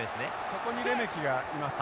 そこにレメキがいます。